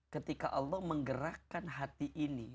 ketika allah menggerakkan hati ini